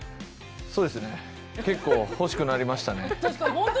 そうですね、結構欲しくなりましたね。